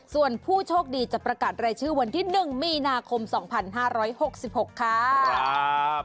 ส่วนผู้โชคดีจะประกาศรายชื่อวันที่๑มีนาคม๒๕๖๖ค่ะ